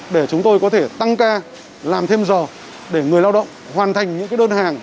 để chúng tôi có thể tăng ca làm thêm giờ để người lao động hoàn thành những đơn hàng